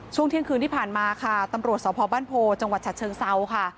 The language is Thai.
ช่วงเที่ยงคืนที่ผ่านมาค่ะตำรวจสพบ้านโพจังหวัดฉะเชิงเซาค่ะ